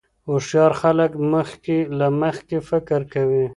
هوښیار خلک مخکې له خبرې فکر کوي.